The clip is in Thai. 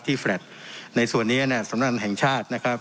ที่ในส่วนนี้เนี่ยสำหรับน้ำแห่งชาตินะครับ